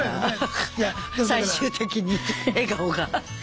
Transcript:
最終的に笑顔が。